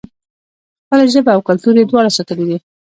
خپله ژبه او کلتور یې دواړه ساتلي دي.